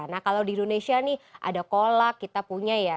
nah kalau di indonesia nih ada kolak kita punya ya